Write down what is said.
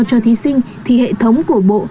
cho thí sinh thì hệ thống của bộ